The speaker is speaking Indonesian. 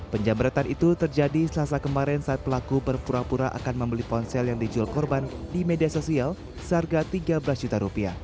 penjamretan itu terjadi selasa kemarin saat pelaku berpura pura akan membeli ponsel yang dijual korban di media sosial seharga rp tiga belas juta rupiah